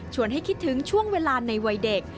ให้คิดถึงช่วงเวลาในวัยเด็ก